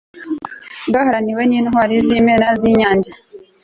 bwaharaniwe n'intwari z'imena z'inyange